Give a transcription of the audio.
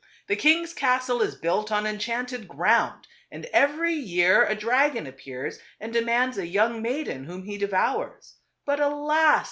The king's castle is built on enchanted ground and every year a dragon appears and demands a young maiden whom he devours. But alas